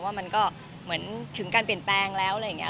ว่ามันก็เหมือนถึงการเปลี่ยนแปลงแล้วอะไรอย่างนี้